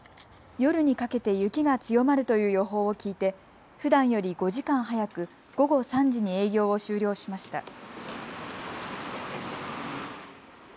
夜にかけて雪が強まるという予報を聞いてふだんより５時間早く午後３時に営業を終了しました。